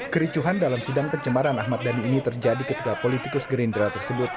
kericuhan dalam sidang pencemaran ahmad dhani ini terjadi ketika politikus gerindra tersebut